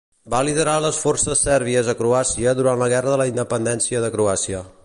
Va liderar les forces sèrbies a Croàcia durant la Guerra de la Independència de Croàcia.